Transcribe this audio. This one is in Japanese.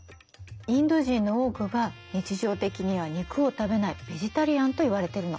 インド人の多くが日常的には肉を食べないベジタリアンといわれているの。